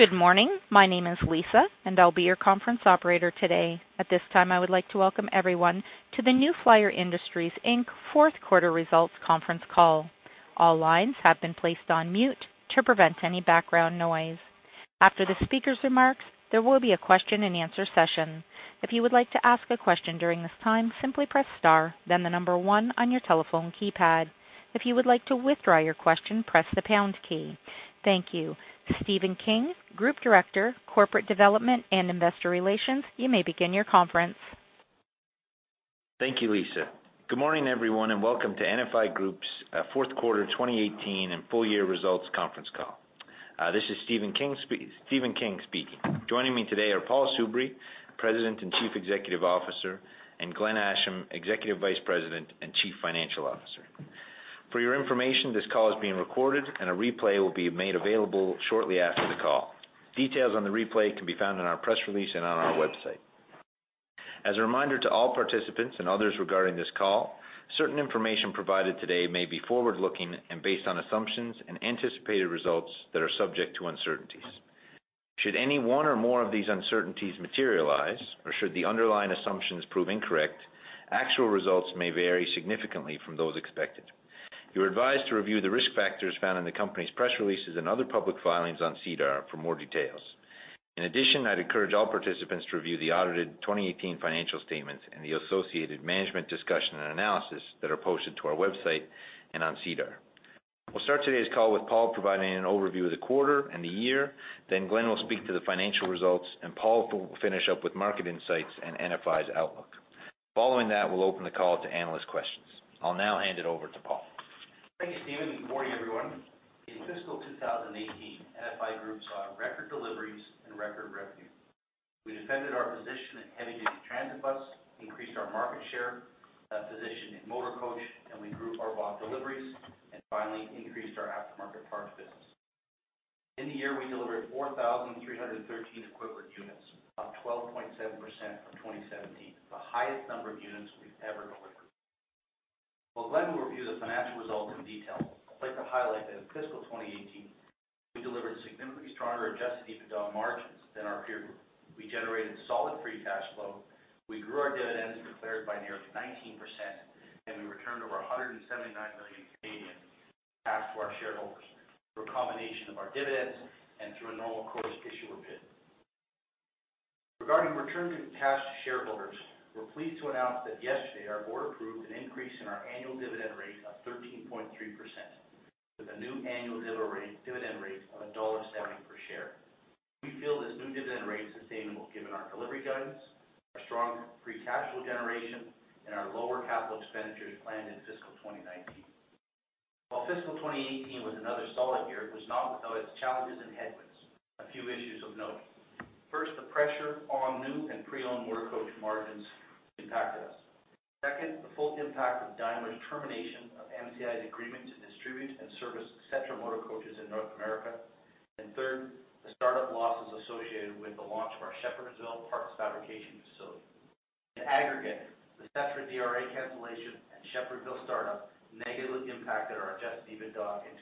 Good morning. My name is Lisa, and I'll be your conference operator today. At this time, I would like to welcome everyone to the New Flyer Industries Inc. fourth quarter results conference call. All lines have been placed on mute to prevent any background noise. After the speaker's remarks, there will be a question and answer session. If you would like to ask a question during this time, simply press star, then the number one on your telephone keypad. If you would like to withdraw your question, press the pound key. Thank you. Stephen King, Group Director, Corporate Development and Investor Relations, you may begin your conference. Thank you, Lisa. Good morning, everyone, welcome to NFI Group's fourth quarter 2018 and full year results conference call. This is Stephen King speaking. Joining me today are Paul Soubry, President and Chief Executive Officer, and Glenn Asham, Executive Vice President and Chief Financial Officer. For your information, this call is being recorded, a replay will be made available shortly after the call. Details on the replay can be found in our press release and on our website. As a reminder to all participants and others regarding this call, certain information provided today may be forward-looking and based on assumptions and anticipated results that are subject to uncertainties. Should any one or more of these uncertainties materialize, or should the underlying assumptions prove incorrect, actual results may vary significantly from those expected. You're advised to review the risk factors found in the company's press releases and other public filings on SEDAR for more details. In addition, I'd encourage all participants to review the audited 2018 financial statements and the associated management discussion and analysis that are posted to our website and on SEDAR. We'll start today's call with Paul providing an overview of the quarter and the year, Glenn will speak to the financial results, Paul will finish up with market insights and NFI's outlook. Following that, we'll open the call to analyst questions. I'll now hand it over to Paul. Thank you, Stephen. Good morning, everyone. In fiscal 2018, NFI Group saw record deliveries, record revenue. We defended our position in heavy-duty transit bus, increased our market share, our position in motor coach, we grew our bus deliveries, finally, increased our aftermarket parts business. In the year, we delivered 4,313 equivalent units, up 12.7% from 2017, the highest number of units we've ever delivered. While Glenn will review the financial results in detail, I'd like to highlight that in fiscal 2018, we delivered significantly stronger Adjusted EBITDA margins than our peer group. We generated solid free cash flow. We grew our dividends declared by nearly 19%, we returned over $ 179 million back to our shareholders through a combination of our dividends and through a normal course issuer bid. Regarding return to cash to shareholders, we are pleased to announce that yesterday our board approved an increase in our annual dividend rate of 13.3%, with a new annual dividend rate of $ 1.70 per share. We feel this new dividend rate is sustainable given our delivery guidance, our strong free cash flow generation, and our lower capital expenditures planned in fiscal 2019. While fiscal 2018 was another solid year, it was not without its challenges and headwinds. A few issues of note. First, the pressure on new and pre-owned motor coach margins impacted us. Second, the full impact of Daimler's termination of MCI's agreement to distribute and service Setra motor coaches in North America. Third, the startup losses associated with the launch of our Shepherdsville parts fabrication facility. In aggregate, the Setra DRA cancellation and Shepherdsville startup negatively impacted our Adjusted EBITDA in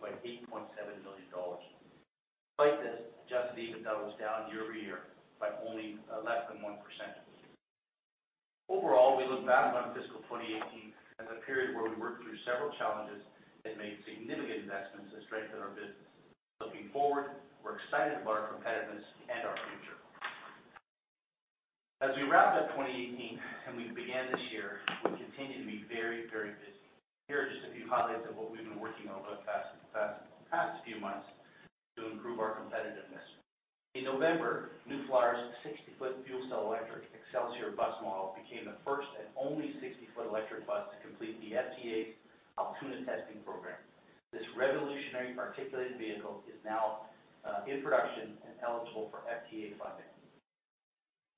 2018 by $ 8.7 million. Despite this, Adjusted EBITDA was down year-over-year by only less than 1%. Overall, we look back on fiscal 2018 as a period where we worked through several challenges and made significant investments to strengthen our business. Looking forward, we are excited about our competitiveness and our future. As we wrapped up 2018 and we began this year, we continue to be very busy. Here are just a few highlights of what we have been working on the past few months to improve our competitiveness. In November, New Flyer's 60-foot fuel cell electric Xcelsior bus model became the first and only 60-foot electric bus to complete the FTA Altoona Testing Program. This revolutionary articulated vehicle is now in production and eligible for FTA funding.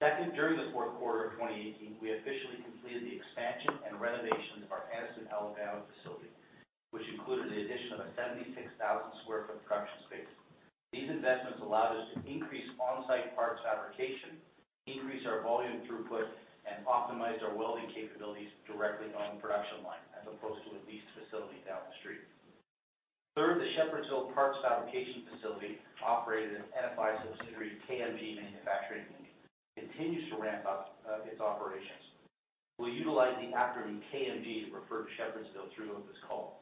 Second, during the fourth quarter of 2018, we officially completed the expansion and renovation of our Anniston, Alabama facility, which included the addition of a 76,000 sq ft production space. These investments allowed us to increase on-site parts fabrication, increase our volume throughput, and optimize our welding capabilities directly on the production line, as opposed to a leased facility down the street. Third, the Shepherdsville parts fabrication facility, operated as NFI subsidiary KMG Fabrication Inc., continues to ramp up its operations. We will utilize the acronym KMG to refer to Shepherdsville throughout this call.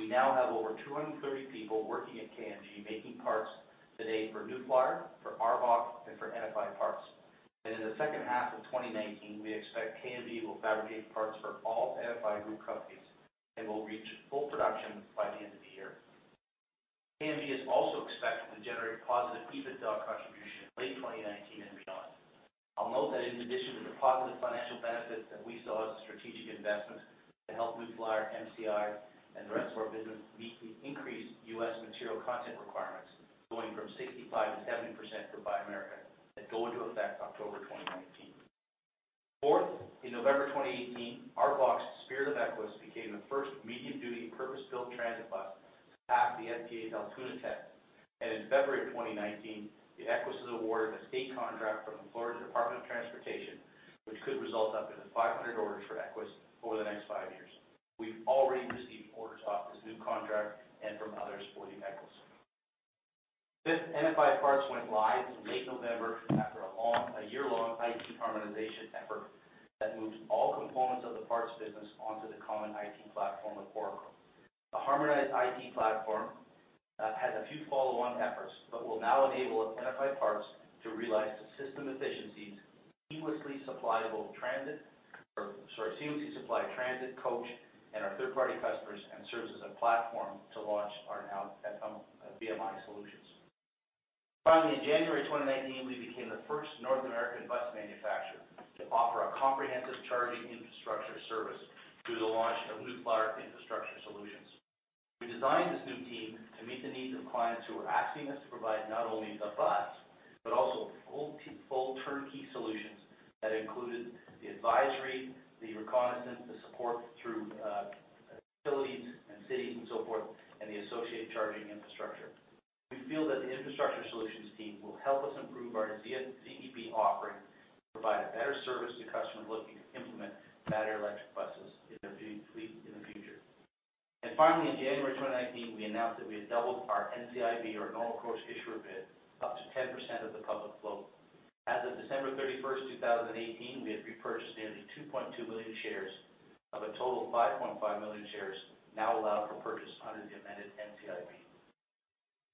We now have over 230 people working at KMG, making parts today for New Flyer, for ARBOC, and for NFI Parts. In the second half of 2019, we expect KMG will fabricate parts for all NFI Group companies and will reach full production by the end of the year. KMG is also expected to generate positive EBITDA contribution late 2019 and beyond. I will note that in addition to the positive financial benefits that we saw as a strategic investment to help New Flyer, MCI, and the rest of our business meet the increased U.S. material content requirements, going from 65%-70% for Buy America, that go into effect October 2019. Fourth, in November 2018, ARBOC's Spirit of Equess became the first medium-duty purpose-built transit bus to pass the FTA's Altoona test. In February of 2019, the Equess was awarded a state contract from the Florida Department of Transportation, which could result up to 500 orders for Equess over the next five years. We have already received orders off this new contract and from others for the vehicles. This NFI Parts went live in late November after a year-long IT harmonization effort that moves all components of the parts business onto the common IT platform with Oracle. A harmonized IT platform has a few follow-on efforts, but will now enable NFI Parts to realize the system efficiencies seamlessly supply transit, coach, and our third-party customers and serves as a platform to launch our now FMI solutions. Finally, in January 2019, we became the first North American bus manufacturer to offer a comprehensive charging infrastructure service through the launch of New Flyer Infrastructure Solutions. We designed this new team to meet the needs of clients who were asking us to provide not only the bus, but also full turnkey solutions that included the advisory, the reconnaissance, the support through, facilities and cities and so forth, and the associated charging infrastructure. We feel that the infrastructure solutions team will help us improve our ZEB offering to provide a better service to customers looking to implement battery electric buses in their fleet in the future. Finally, in January 2019, we announced that we had doubled our NCIB or normal course issuer bid up to 10% of the public float. As of December 31, 2018, we had repurchased nearly 2.2 million shares of a total 5.5 million shares now allowed for purchase under the amended NCIB.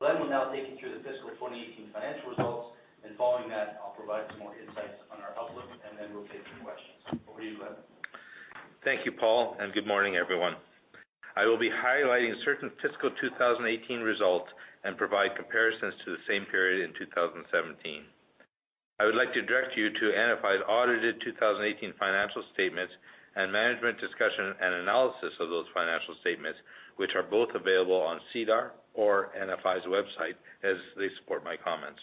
Glenn will now take you through the fiscal 2018 financial results, and following that, I'll provide some more insights on our outlook, and then we'll take some questions. Over to you, Glenn. Thank you, Paul, and good morning, everyone. I will be highlighting certain fiscal 2018 results and provide comparisons to the same period in 2017. I would like to direct you to NFI's audited 2018 financial statements and management discussion and analysis of those financial statements, which are both available on SEDAR or NFI's website as they support my comments.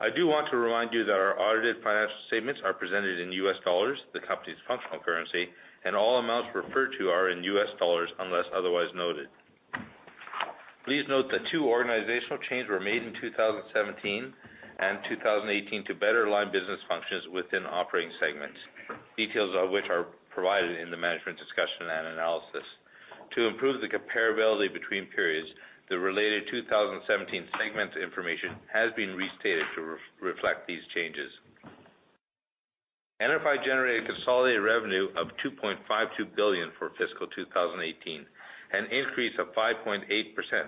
I do want to remind you that our audited financial statements are presented in U.S. dollars, the company's functional currency, and all amounts referred to are in U.S. dollars unless otherwise noted. Please note that two organizational changes were made in 2017 and 2018 to better align business functions within operating segments, details of which are provided in the management discussion and analysis. To improve the comparability between periods, the related 2017 segment information has been restated to reflect these changes. NFI generated consolidated revenue of $2.52 billion for fiscal 2018, an increase of 5.8%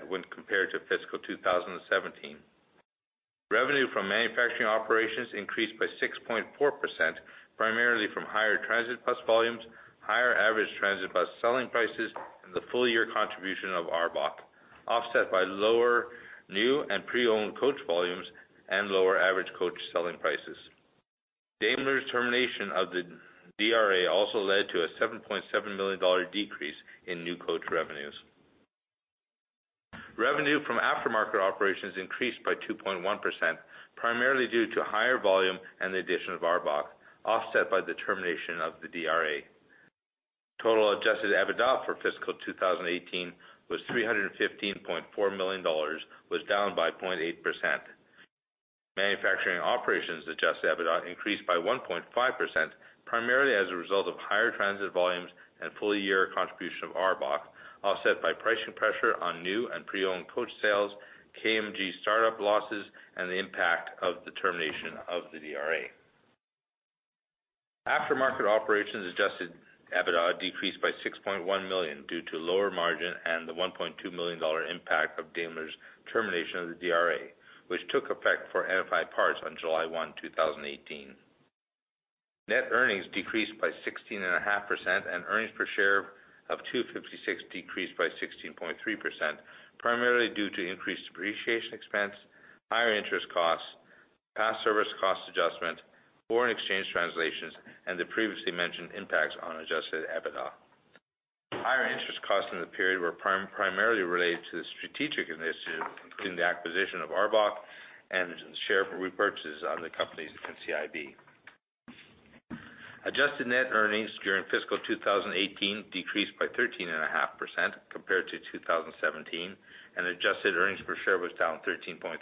when compared to fiscal 2017. Revenue from manufacturing operations increased by 6.4%, primarily from higher transit bus volumes, higher average transit bus selling prices, and the full year contribution of ARBOC, offset by lower new and pre-owned coach volumes and lower average coach selling prices. Daimler's termination of the DRA also led to a $7.7 million decrease in new coach revenues. Revenue from aftermarket operations increased by 2.1%, primarily due to higher volume and the addition of ARBOC, offset by the termination of the DRA. Total Adjusted EBITDA for fiscal 2018 was $315.4 million, down by 0.8%. Manufacturing operations Adjusted EBITDA increased by 1.5%, primarily as a result of higher transit volumes and full year contribution of ARBOC, offset by pricing pressure on new and pre-owned coach sales, KMG startup losses, and the impact of the termination of the DRA. Aftermarket operations Adjusted EBITDA decreased by $ 6.1 million due to lower margin and the $ 1.2 million impact of Daimler's termination of the DRA, which took effect for NFI Parts on July 1, 2018. Net earnings decreased by 16.5% and earnings per share of $ 256 decreased by 16.3%, primarily due to increased depreciation expense, higher interest costs, past service cost adjustment, foreign exchange translations, and the previously mentioned impacts on Adjusted EBITDA. Higher interest costs in the period were primarily related to the strategic initiative, including the acquisition of ARBOC and share repurchases on the company's NCIB. Adjusted net earnings during fiscal 2018 decreased by 13.5% compared to 2017, and adjusted earnings per share was down 13.3%.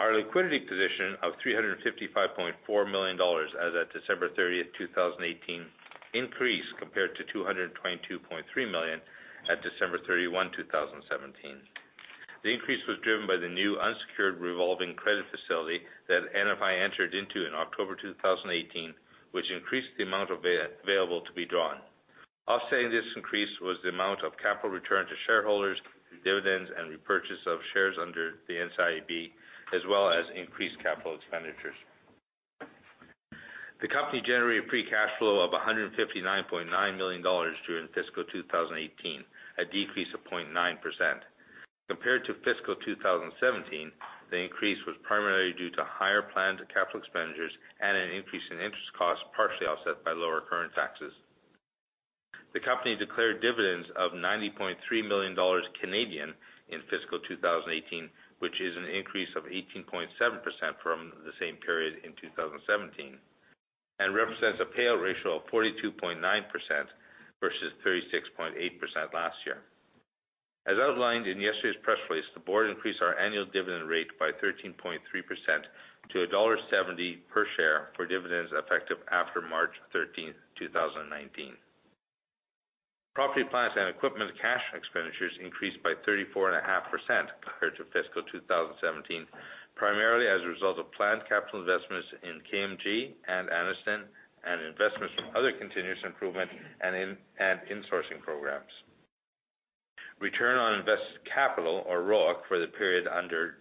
Our liquidity position of $ 355.4 million as at December 30, 2018 increased compared to $ 222.3 million at December 31, 2017. The increase was driven by the new unsecured revolving credit facility that NFI entered into in October 2018, which increased the amount available to be drawn. Offsetting this increase was the amount of capital returned to shareholders through dividends and repurchase of shares under the NCIB, as well as increased capital expenditures. The company generated free cash flow of $ 159.9 million during fiscal 2018, a decrease of 0.9%. Compared to fiscal 2017, the increase was primarily due to higher planned capital expenditures and an increase in interest costs, partially offset by lower current taxes. The company declared dividends of 90.3 million Canadian dollars in fiscal 2018, which is an increase of 18.7% from the same period in 2017 and represents a payout ratio of 42.9% versus 36.8%. As outlined in yesterday's press release, the board increased our annual dividend rate by 13.3% to $ 1.70 per share for dividends effective after March 13, 2019. Property, plant, and equipment cash expenditures increased by 34.5% compared to fiscal 2017, primarily as a result of planned capital investments in KMG and Anniston, and investments from other continuous improvement and insourcing programs. Return on invested capital, or ROIC, for the period ended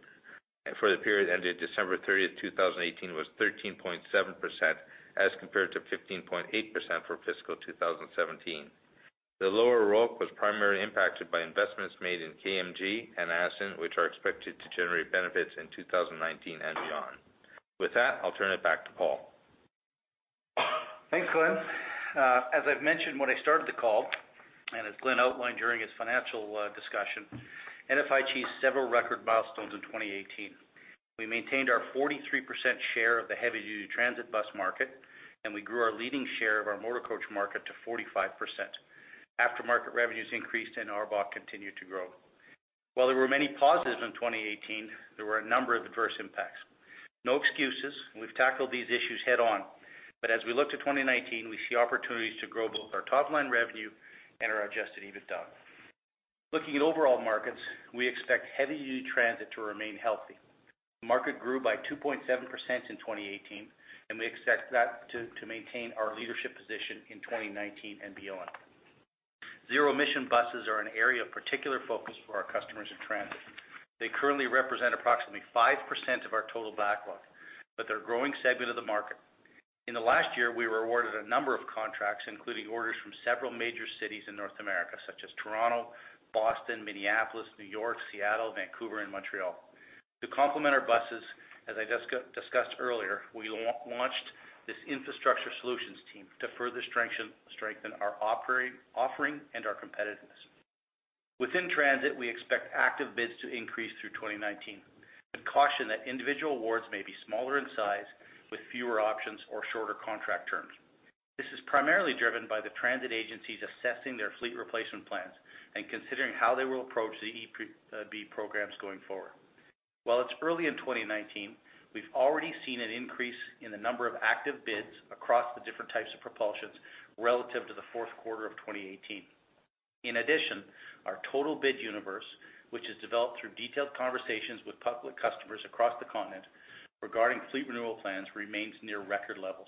December 30, 2018, was 13.7%, as compared to 15.8% for fiscal 2017. The lower ROIC was primarily impacted by investments made in KMG and Anniston, which are expected to generate benefits in 2019 and beyond. With that, I'll turn it back to Paul. Thanks, Glenn. As I've mentioned when I started the call, and as Glenn outlined during his financial discussion, NFI achieved several record milestones in 2018. We maintained our 43% share of the heavy-duty transit bus market, and we grew our leading share of our motor coach market to 45%. Aftermarket revenues increased, and ARBOC continued to grow. While there were many positives in 2018, there were a number of adverse impacts. No excuses, we've tackled these issues head-on. As we look to 2019, we see opportunities to grow both our top-line revenue and our Adjusted EBITDA. Looking at overall markets, we expect heavy-duty transit to remain healthy. The market grew by 2.7% in 2018, and we expect that to maintain our leadership position in 2019 and beyond. Zero-emission buses are an area of particular focus for our customers in transit. They currently represent approximately 5% of our total backlog, but they're a growing segment of the market. In the last year, we were awarded a number of contracts, including orders from several major cities in North America, such as Toronto, Boston, Minneapolis, New York, Seattle, Vancouver, and Montreal. To complement our buses, as I discussed earlier, we launched this infrastructure solutions team to further strengthen our offering and our competitiveness. Within transit, we expect active bids to increase through 2019. We caution that individual awards may be smaller in size, with fewer options or shorter contract terms. This is primarily driven by the transit agencies assessing their fleet replacement plans and considering how they will approach the ZEB programs going forward. While it's early in 2019, we've already seen an increase in the number of active bids across the different types of propulsions relative to the fourth quarter of 2018. Our total bid universe, which is developed through detailed conversations with public customers across the continent regarding fleet renewal plans, remains near record levels.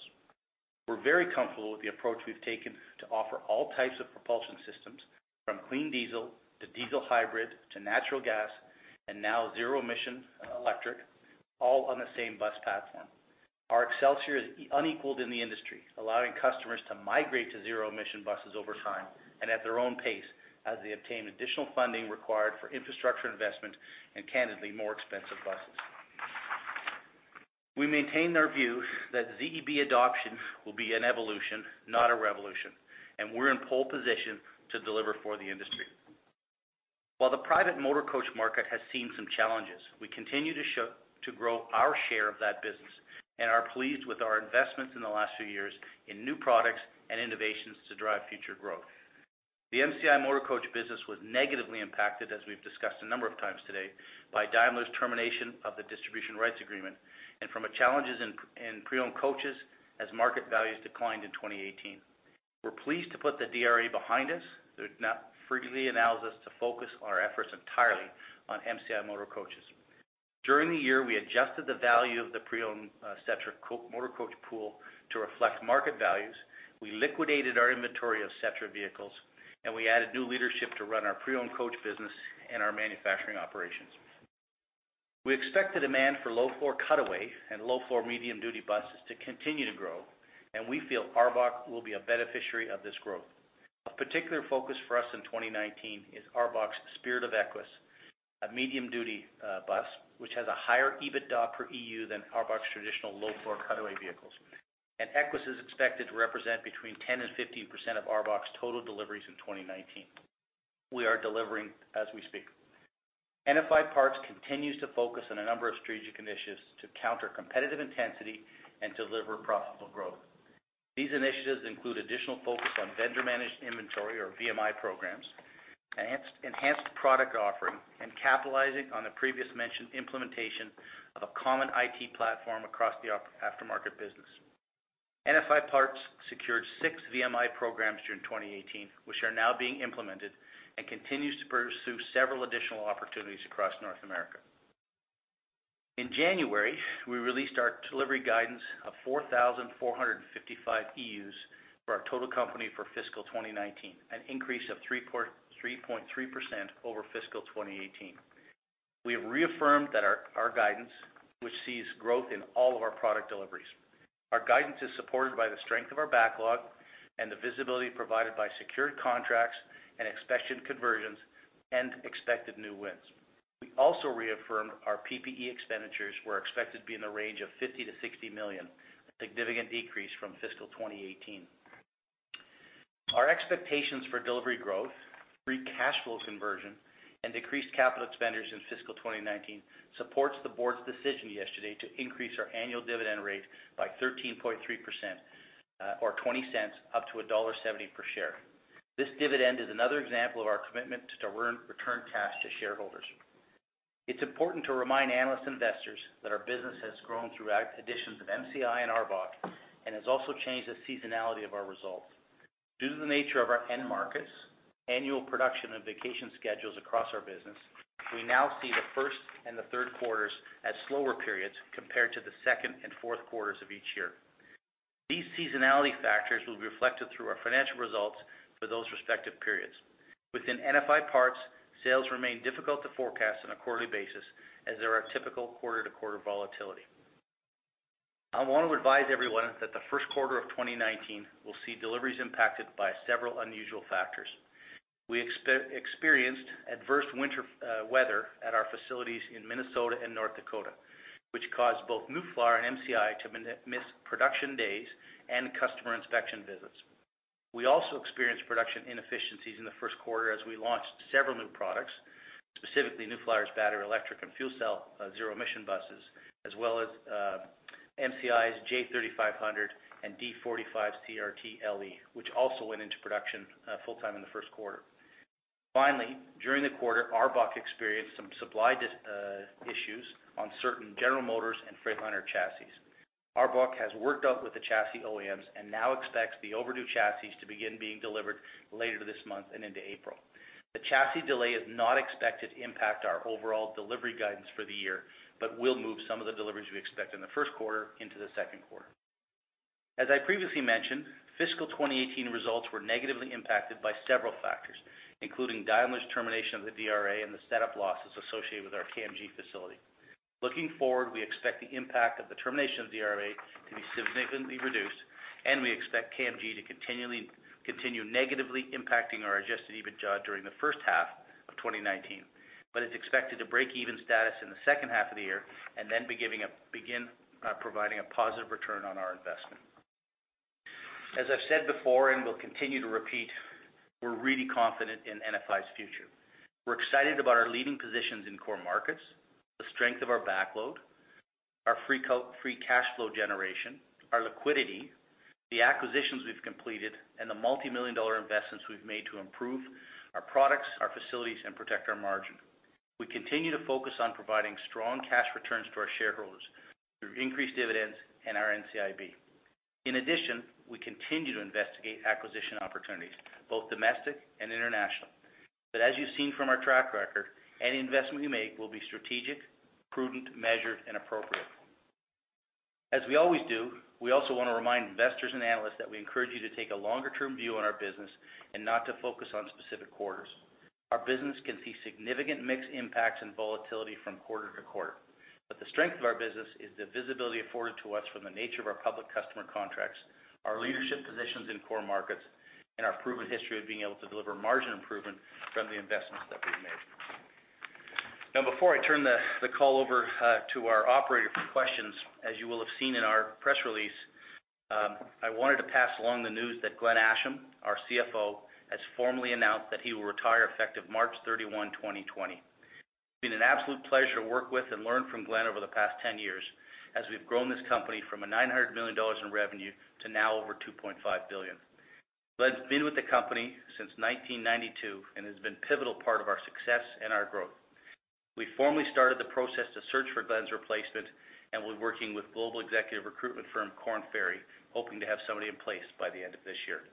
We're very comfortable with the approach we've taken to offer all types of propulsion systems, from clean diesel to diesel hybrid to natural gas, and now zero-emission electric, all on the same bus platform. Our Xcelsior is unequaled in the industry, allowing customers to migrate to zero-emission buses over time and at their own pace as they obtain additional funding required for infrastructure investment and, candidly, more expensive buses. We maintain our view that ZEB adoption will be an evolution, not a revolution, and we're in pole position to deliver for the industry. While the private motor coach market has seen some challenges, we continue to grow our share of that business and are pleased with our investments in the last few years in new products and innovations to drive future growth. The MCI motor coach business was negatively impacted, as we've discussed a number of times today, by Daimler's termination of the distribution rights agreement and from challenges in pre-owned coaches as market values declined in 2018. We're pleased to put the DRA behind us, which now freely allows us to focus our efforts entirely on MCI motor coaches. During the year, we adjusted the value of the pre-owned Setra motor coach pool to reflect market values. We liquidated our inventory of Setra vehicles, and we added new leadership to run our pre-owned coach business and our manufacturing operations. We expect the demand for low-floor cutaway and low-floor medium-duty buses to continue to grow, and we feel ARBOC will be a beneficiary of this growth. Of particular focus for us in 2019 is ARBOC's Spirit of Equess, a medium-duty bus which has a higher EBITDA per EU than ARBOC's traditional low-floor cutaway vehicles. Equess is expected to represent between 10% and 15% of ARBOC's total deliveries in 2019. We are delivering as we speak. NFI Parts continues to focus on a number of strategic initiatives to counter competitive intensity and deliver profitable growth. These initiatives include additional focus on vendor-managed inventory, or VMI, programs, enhanced product offering, and capitalizing on the previously mentioned implementation of a common IT platform across the aftermarket business. NFI Parts secured six VMI programs during 2018, which are now being implemented, and continues to pursue several additional opportunities across North America. In January, we released our delivery guidance of 4,455 EUs for our total company for fiscal 2019, an increase of 3.3% over fiscal 2018. We have reaffirmed that our guidance, which sees growth in all of our product deliveries. Our guidance is supported by the strength of our backlog and the visibility provided by secured contracts and expected conversions and expected new wins. We also reaffirm our PPE expenditures were expected to be in the range of $ 50 million-$ 60 million, a significant decrease from fiscal 2018. Our expectations for delivery growth, free cash flow conversion, and decreased capital expenditures in fiscal 2019 supports the board's decision yesterday to increase our annual dividend rate by 13.3%. Or $ 0.20 up to $ 1.70 per share. This dividend is another example of our commitment to return cash to shareholders. It's important to remind analysts, investors that our business has grown through acquisitions of MCI and ARBOC, and has also changed the seasonality of our results. Due to the nature of our end markets, annual production, and vacation schedules across our business, we now see the first and the third quarters as slower periods compared to the second and fourth quarters of each year. These seasonality factors will be reflected through our financial results for those respective periods. Within NFI Parts, sales remain difficult to forecast on a quarterly basis, as there are typical quarter-to-quarter volatility. I want to advise everyone that the first quarter of 2019 will see deliveries impacted by several unusual factors. We experienced adverse winter weather at our facilities in Minnesota and North Dakota, which caused both New Flyer and MCI to miss production days and customer inspection visits. We also experienced production inefficiencies in the first quarter as we launched several new products, specifically New Flyer's battery electric and fuel cell, zero emission buses, as well as MCI's J3500 and D45 CRT LE, which also went into production full-time in the first quarter. Finally, during the quarter, ARBOC experienced some supply issues on certain General Motors and Freightliner chassis. ARBOC has worked out with the chassis OEMs and now expects the overdue chassis to begin being delivered later this month and into April. The chassis delay is not expected to impact our overall delivery guidance for the year, but will move some of the deliveries we expect in the first quarter into the second quarter. As I previously mentioned, fiscal 2018 results were negatively impacted by several factors, including Daimler's termination of the DRA and the setup losses associated with our KMG facility. Looking forward, we expect the impact of the termination of DRA to be significantly reduced, and we expect KMG to continue negatively impacting our adjusted EBITDA during the first half of 2019, but is expected to break even status in the second half of the year and then begin providing a positive return on our investment. As I've said before and will continue to repeat, we're really confident in NFI's future. We're excited about our leading positions in core markets, the strength of our backlog, our free cash flow generation, our liquidity, the acquisitions we've completed, and the multimillion-dollar investments we've made to improve our products, our facilities, and protect our margin. We continue to focus on providing strong cash returns to our shareholders through increased dividends and our NCIB. In addition, we continue to investigate acquisition opportunities, both domestic and international. As you've seen from our track record, any investment we make will be strategic, prudent, measured, and appropriate. As we always do, we also want to remind investors and analysts that we encourage you to take a longer-term view on our business and not to focus on specific quarters. Our business can see significant mixed impacts and volatility from quarter to quarter. The strength of our business is the visibility afforded to us from the nature of our public customer contracts, our leadership positions in core markets, and our proven history of being able to deliver margin improvement from the investments that we've made. Now, before I turn the call over to our operator for questions, as you will have seen in our press release, I wanted to pass along the news that Glenn Asham, our CFO, has formally announced that he will retire effective March 31, 2020. It's been an absolute pleasure to work with and learn from Glenn over the past 10 years as we've grown this company from $ 900 million in revenue to now over $ 2.5 billion. Glenn's been with the company since 1992 and has been pivotal part of our success and our growth. We formally started the process to search for Glenn's replacement, and we're working with global executive recruitment firm Korn Ferry, hoping to have somebody in place by the end of this year.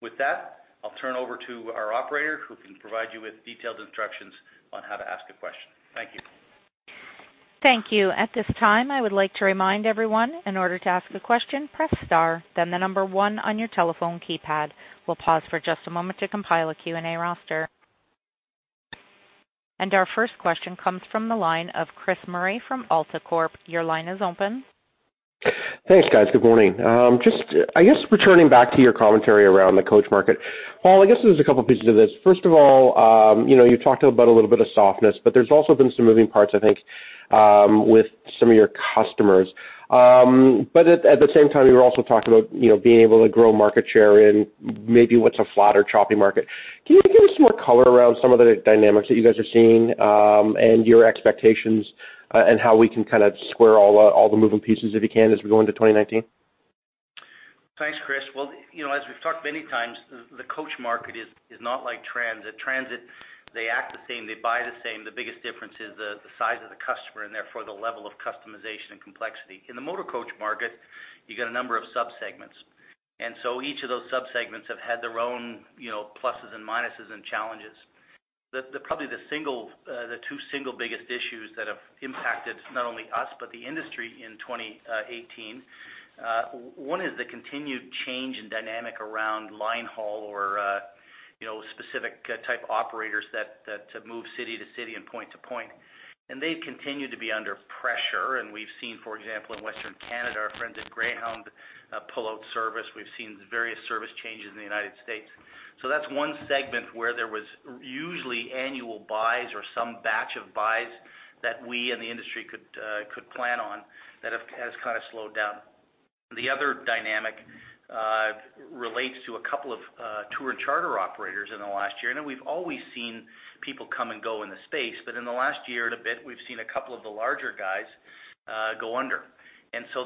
With that, I'll turn over to our operator, who can provide you with detailed instructions on how to ask a question. Thank you. Thank you. At this time, I would like to remind everyone, in order to ask a question, press star, then the number one on your telephone keypad. We'll pause for just a moment to compile a Q&A roster. Our first question comes from the line of Chris Murray from AltaCorp Capital. Your line is open. Thanks, guys. Good morning. Just, I guess, returning back to your commentary around the coach market. Paul, I guess there's a couple pieces to this. First of all, you talked about a little bit of softness, there's also been some moving parts, I think, with some of your customers. At the same time, you were also talking about being able to grow market share in maybe what's a flatter, choppy market. Can you give us some more color around some of the dynamics that you guys are seeing, and your expectations, and how we can kind of square all the moving pieces, if you can, as we go into 2019? Thanks, Chris. Well, as we've talked many times, the coach market is not like transit. Transit, they act the same, they buy the same. The biggest difference is the size of the customer and therefore the level of customization and complexity. In the motor coach market, you get a number of sub-segments. Each of those sub-segments have had their own pluses and minuses and challenges. Probably the 2 single biggest issues that have impacted not only us, but the industry in 2018, one is the continued change in dynamic around line haul or specific type operators that move city to city and point to point. They've continued to be under pressure, and we've seen, for example, in Western Canada, our friends at Greyhound pull out service. We've seen various service changes in the U.S. That's one segment where there was usually annual buys or some batch of buys that we and the industry could plan on that has kind of slowed down. The other dynamic relates to a couple of tour and charter operators in the last year. I know we've always seen people come and go in the space, but in the last year and a bit, we've seen a couple of the larger guys go under.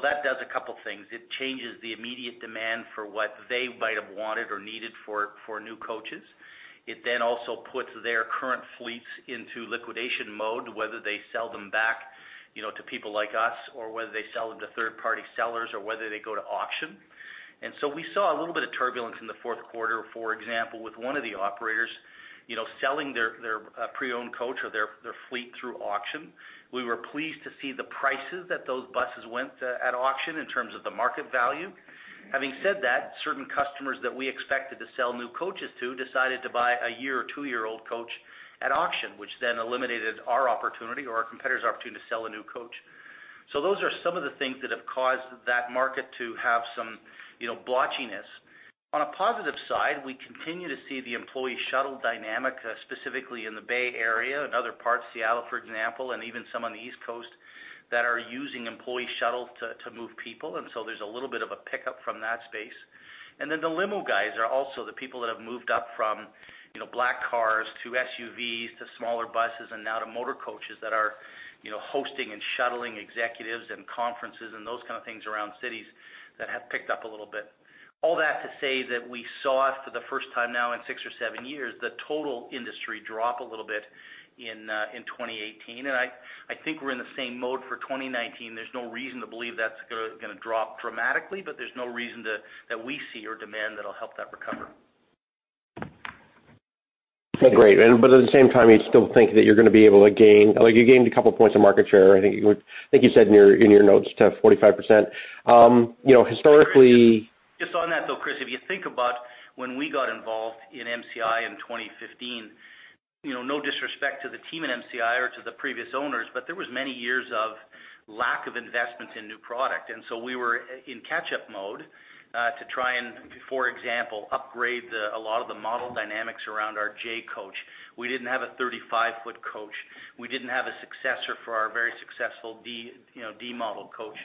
That does a couple of things. It changes the immediate demand for what they might have wanted or needed for new coaches. It then also puts their current fleets into liquidation mode, whether they sell them back to people like us, or whether they sell to third-party sellers, or whether they go to auction. We saw a little bit of turbulence in the fourth quarter, for example, with one of the operators selling their pre-owned coach or their fleet through auction. We were pleased to see the prices that those buses went at auction in terms of the market value. Having said that, certain customers that we expected to sell new coaches to decided to buy a year or 2-year-old coach at auction, which then eliminated our opportunity or our competitor's opportunity to sell a new coach. Those are some of the things that have caused that market to have some blotchiness. On a positive side, we continue to see the employee shuttle dynamic, specifically in the Bay Area and other parts, Seattle, for example, and even some on the East Coast, that are using employee shuttles to move people. There's a little bit of a pickup from that space. The limo guys are also the people that have moved up from black cars to SUVs to smaller buses and now to motor coaches that are hosting and shuttling executives and conferences and those kind of things around cities that have picked up a little bit. All that to say that we saw for the first time now in six or seven years, the total industry drop a little bit in 2018, and I think we're in the same mode for 2019. There's no reason to believe that's going to drop dramatically, but there's no reason that we see or demand that'll help that recover. Great. At the same time, you'd still think that you're going to be able to gain, like you gained a couple of points of market share, I think you said in your notes to 45%. Just on that, though, Chris, if you think about when we got involved in MCI in 2015, no disrespect to the team at MCI or to the previous owners, there was many years of lack of investment in new product. We were in catch-up mode, to try and, for example, upgrade a lot of the model dynamics around our J coach. We didn't have a 35-foot coach. We didn't have a successor for our very successful D model coach.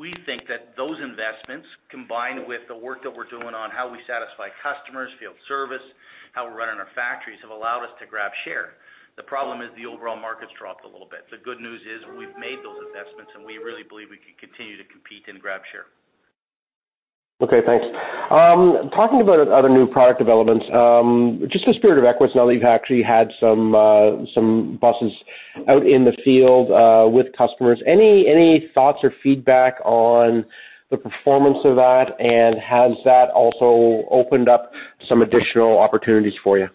We think that those investments, combined with the work that we're doing on how we satisfy customers, field service, how we're running our factories, have allowed us to grab share. The problem is the overall market's dropped a little bit. The good news is we've made those investments, and we really believe we can continue to compete and grab share. Okay, thanks. Talking about other new product developments, just in the Spirit of Equess, now that you've actually had some buses out in the field with customers, any thoughts or feedback on the performance of that? Has that also opened up some additional opportunities for you?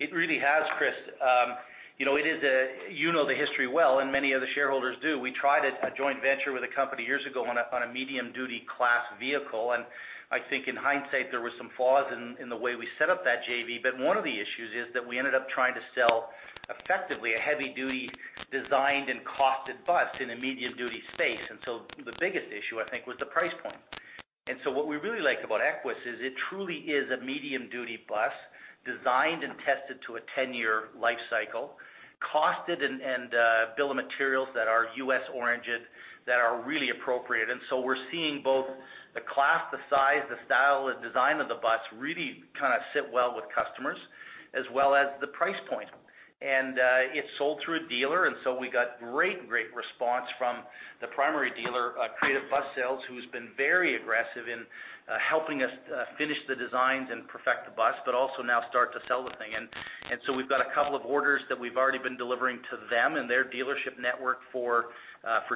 It really has, Chris. You know the history well, and many of the shareholders do. We tried a joint venture with a company years ago on a medium-duty class vehicle, I think in hindsight, there were some flaws in the way we set up that JV. One of the issues is that we ended up trying to sell effectively a heavy-duty designed and costed bus in a medium-duty space. The biggest issue, I think, was the price point. What we really like about Equess is it truly is a medium-duty bus designed and tested to a 10-year life cycle, costed and bill of materials that are U.S. origin that are really appropriate. We're seeing both the class, the size, the style, the design of the bus really kind of sit well with customers, as well as the price point. It's sold through a dealer, we got great response from the primary dealer, Creative Bus Sales, who's been very aggressive in helping us finish the designs and perfect the bus, but also now start to sell the thing. We've got a couple of orders that we've already been delivering to them and their dealership network for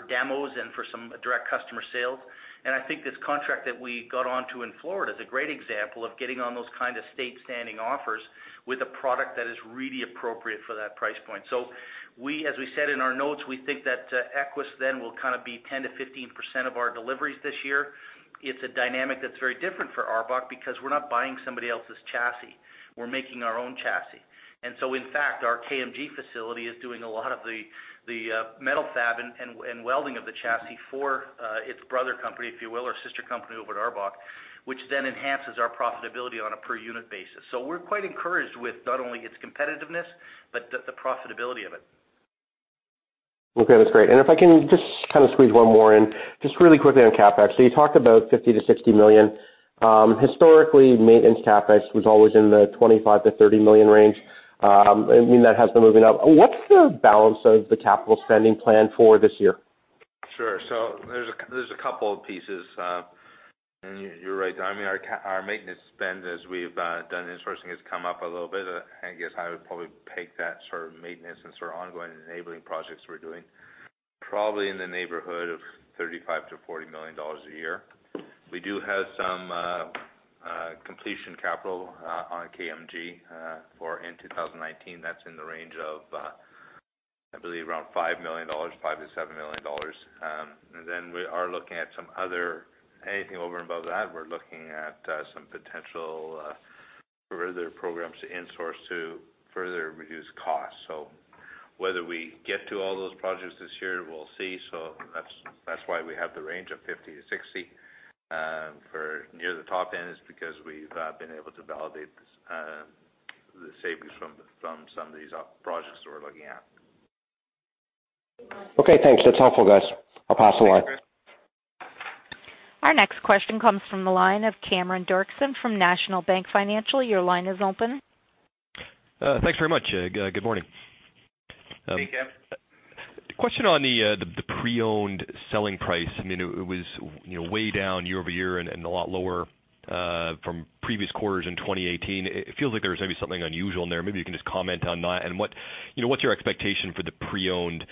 demos and for some direct customer sales. I think this contract that we got onto in Florida is a great example of getting on those kind of state standing offers with a product that is really appropriate for that price point. As we said in our notes, we think that Equess then will be 10%-15% of our deliveries this year. It's a dynamic that's very different for ARBOC because we're not buying somebody else's chassis. We're making our own chassis. In fact, our KMG facility is doing a lot of the metal fab and welding of the chassis for its brother company, if you will, or sister company over at ARBOC, which then enhances our profitability on a per-unit basis. We're quite encouraged with not only its competitiveness, but the profitability of it. Okay, that's great. If I can just kind of squeeze one more in, just really quickly on CapEx. You talked about $ 50 million-$ 60 million. Historically, maintenance CapEx was always in the $ 25 million-$ 30 million range. I mean, that has been moving up. What's the balance of the capital spending plan for this year? Sure. There's a couple of pieces. You're right, I mean, our maintenance spend as we've done insourcing has come up a little bit. I guess I would probably peg that sort of maintenance and sort of ongoing enabling projects we're doing probably in the neighborhood of $ 35 million-$ 40 million a year. We do have some completion capital on KMG for in 2019. That's in the range of, I believe, around $ 5 million, $ 5 million-$ 7 million. We are looking at some other, anything over and above that, we're looking at some potential further programs to in-source to further reduce costs. Whether we get to all those projects this year, we'll see. That's why we have the range of $ 50-$ 60 for near the top end is because we've been able to validate the savings from some of these projects that we're looking at. Okay, thanks. That's helpful, guys. I'll pass along. Our next question comes from the line of Cameron Doerksen from National Bank Financial. Your line is open. Thanks very much. Good morning. Hey, Cam. Question on the pre-owned selling price. It was way down year-over-year and a lot lower from previous quarters in 2018. It feels like there was maybe something unusual in there. Maybe you can just comment on that and what's your expectation for the pre-owned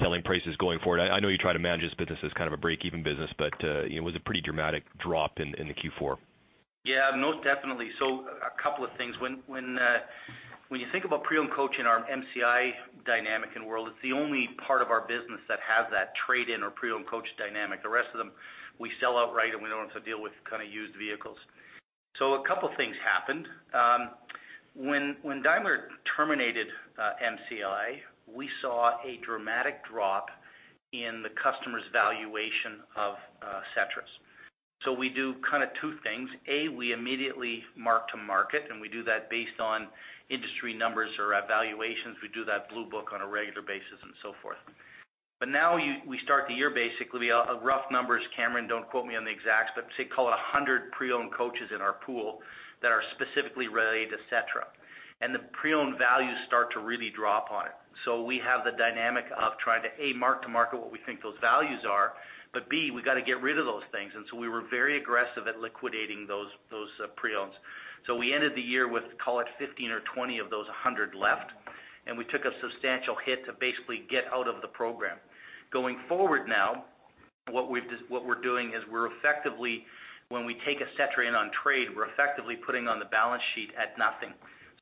selling prices going forward? I know you try to manage this business as kind of a break-even business, but it was a pretty dramatic drop in the Q4. Yeah, most definitely. A couple of things. When you think about pre-owned coach in our MCI dynamic and world, it's the only part of our business that has that trade-in or pre-owned coach dynamic. The rest of them, we sell outright, and we don't have to deal with used vehicles. A couple things happened. When Daimler terminated MCI, we saw a dramatic drop in the customer's valuation of Setras. We do kind of two things. A, we immediately mark to market, and we do that based on industry numbers or valuations. We do that Blue Book on a regular basis and so forth. Now we start the year, basically, a rough number is, Cameron, don't quote me on the exact, but say, call it 100 pre-owned coaches in our pool that are specifically related to Setra. The pre-owned values start to really drop on it. We have the dynamic of trying to, A, mark to market what we think those values are, but B, we got to get rid of those things. We were very aggressive at liquidating those pre-owned. We ended the year with, call it, 15 or 20 of those 100 left, and we took a substantial hit to basically get out of the program. Going forward now, what we're doing is we're effectively, when we take a Setra in on trade, we're effectively putting on the balance sheet at nothing.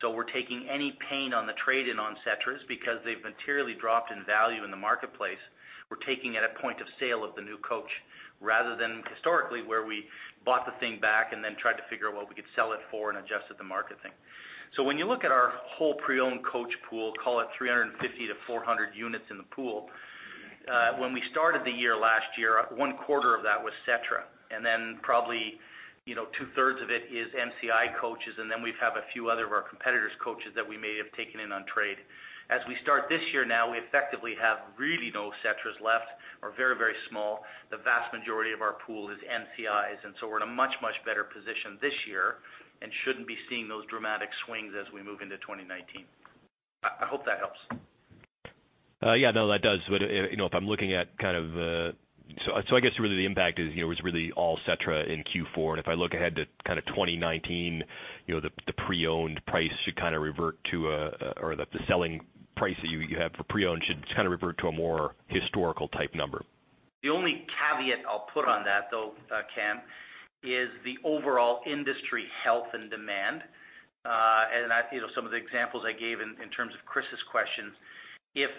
We're taking any pain on the trade-in on Setras because they've materially dropped in value in the marketplace. We're taking at a point of sale of the new coach, rather than historically, where we bought the thing back and then tried to figure out what we could sell it for and adjusted the market thing. When you look at our whole pre-owned coach pool, call it 350-400 units in the pool. When we started the year last year, one quarter of that was Setra, and then probably two-thirds of it is MCI coaches, and then we have a few other of our competitors' coaches that we may have taken in on trade. As we start this year now, we effectively have really no Setras left or very small. The vast majority of our pool is MCIs, and we're in a much better position this year and shouldn't be seeing those dramatic swings as we move into 2019. I hope that helps. No, that does. I guess really the impact was really all Setra in Q4. If I look ahead to kind of 2019, the pre-owned price should kind of revert to or the selling price that you have for pre-owned should kind of revert to a more historical type number. The only caveat I'll put on that though, Cam, is the overall industry health and demand. Some of the examples I gave in terms of Chris's questions, if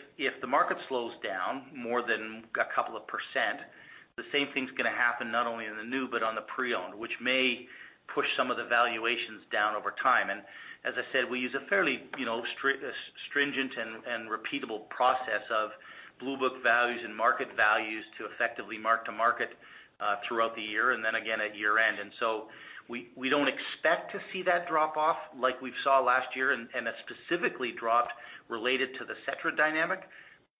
the market slows down more than a couple of %, the same thing's going to happen not only in the new but on the pre-owned, which may push some of the valuations down over time. As I said, we use a fairly stringent and repeatable process of Blue Book values and market values to effectively mark to market throughout the year and then again at year-end. We don't expect to see that drop off like we saw last year. That specifically dropped related to the Setra dynamic.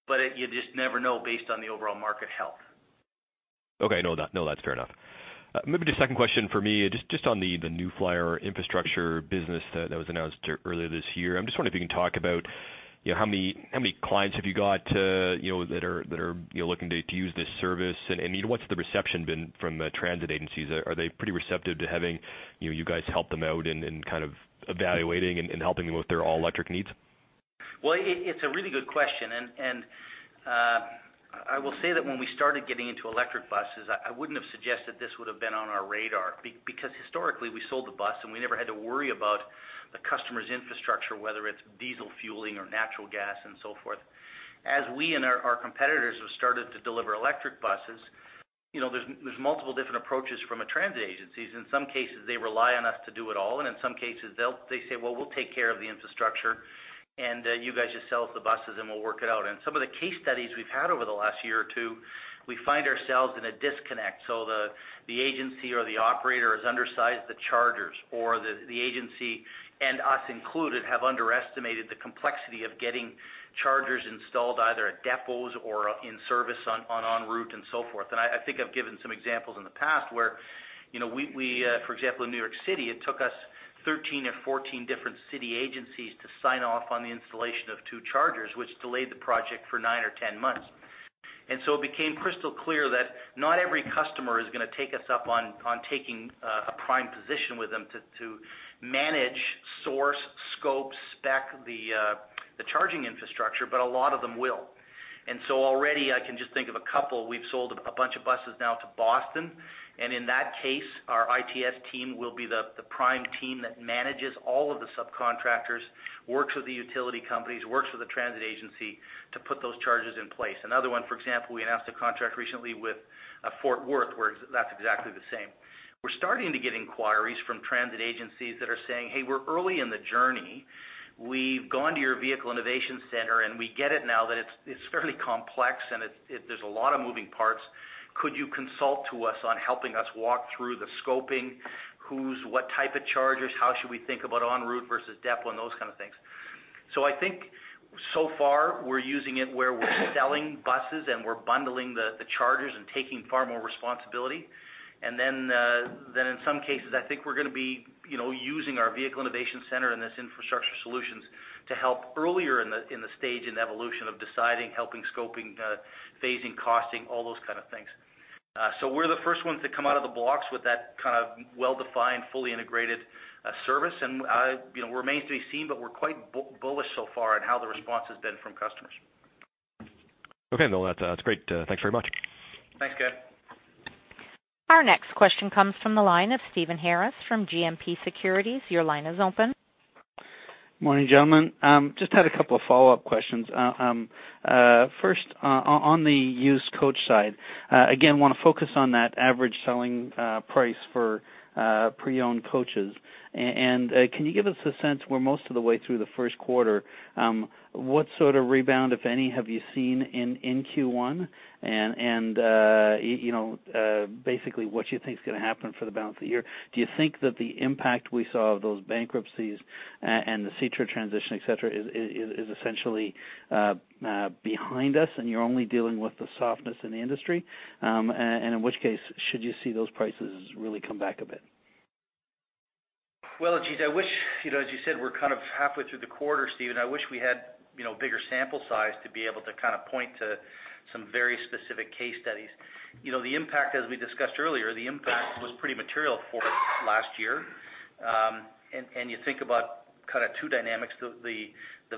You just never know based on the overall market health. Okay. No, that's fair enough. Maybe the second question for me, just on the New Flyer Infrastructure business that was announced earlier this year. I'm just wondering if you can talk about how many clients have you got that are looking to use this service, and what's the reception been from the transit agencies? Are they pretty receptive to having you guys help them out and kind of evaluating and helping them with their all-electric needs? It's a really good question. I will say that when we started getting into electric buses, I wouldn't have suggested this would've been on our radar. Historically, we sold the bus. We never had to worry about the customer's infrastructure, whether it's diesel fueling or natural gas and so forth. We and our competitors have started to deliver electric buses, there's multiple different approaches from transit agencies. In some cases, they rely on us to do it all. In some cases they say, "We'll take care of the infrastructure, and you guys just sell us the buses, and we'll work it out." Some of the case studies we've had over the last year or two, we find ourselves in a disconnect. The agency or the operator has undersized the chargers, or the agency, and us included, have underestimated the complexity of getting chargers installed, either at depots or in service on route and so forth. I think I've given some examples in the past where we, for example, in New York City, it took us 13 or 14 different city agencies to sign off on the installation of two chargers, which delayed the project for nine or ten months. It became crystal clear that not every customer is going to take us up on taking a prime position with them to manage, source, scope, spec the charging infrastructure, but a lot of them will. Already I can just think of a couple. We've sold a bunch of buses now to Boston, and in that case, our ITS team will be the prime team that manages all of the subcontractors, works with the utility companies, works with the transit agency to put those chargers in place. Another one, for example, we announced a contract recently with Fort Worth, where that's exactly the same. We're starting to get inquiries from transit agencies that are saying, "Hey, we're early in the journey. We've gone to your Vehicle Innovation Center, and we get it now that it's fairly complex, and there's a lot of moving parts. Could you consult to us on helping us walk through the scoping? What type of chargers, how should we think about en route versus depot, and those kind of things. I think so far, we're using it where we're selling buses and we're bundling the chargers and taking far more responsibility. In some cases, I think we're going to be using our Vehicle Innovation Center and this New Flyer Infrastructure Solutions to help earlier in the stage, in the evolution of deciding, helping scoping, phasing, costing, all those kind of things. We're the first ones to come out of the blocks with that kind of well-defined, fully integrated service, and remains to be seen, but we're quite bullish so far on how the response has been from customers. Okay, Paul, that's great. Thanks very much. Thanks, Cam. Our next question comes from the line of Stephen Harris from GMP Securities. Your line is open. Morning, gentlemen. Just had a couple of follow-up questions. First, on the used coach side, again, want to focus on that average selling price for pre-owned coaches. Can you give us a sense, we're most of the way through the first quarter, what sort of rebound, if any, have you seen in Q1? Basically what you think is going to happen for the balance of the year. Do you think that the impact we saw of those bankruptcies and the Setra transition, et cetera, is essentially behind us and you're only dealing with the softness in the industry? In which case should you see those prices really come back a bit? Well, geez, I wish, as you said, we're kind of halfway through the quarter, Stephen. I wish we had bigger sample size to be able to point to some very specific case studies. The impact, as we discussed earlier, the impact was pretty material for last year. You think about two dynamics, the